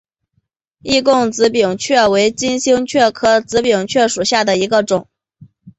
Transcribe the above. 易贡紫柄蕨为金星蕨科紫柄蕨属下的一个种。